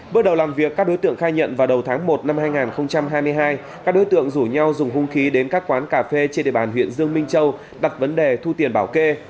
bước đầu làm việc các đối tượng khai nhận vào đầu tháng một năm hai nghìn hai mươi hai các đối tượng rủ nhau dùng hung khí đến các quán cà phê trên địa bàn huyện dương minh châu đặt vấn đề thu tiền bảo kê